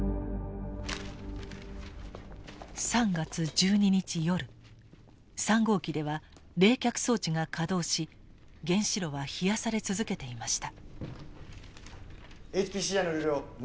３月１２日夜３号機では冷却装置が稼働し原子炉は冷やされ続けていました。